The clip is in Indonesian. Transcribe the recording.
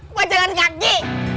gua jangan lagi